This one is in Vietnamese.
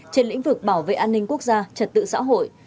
trên lĩnh vực bảo vệ an ninh quốc gia trật tự xã hội